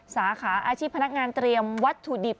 สาขาอาชีพพนักงานเตรียมวัตถุดิบ